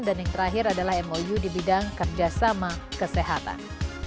dan yang terakhir adalah mou di bidang kerjasama kesehatan